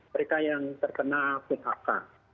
mereka yang terkena phk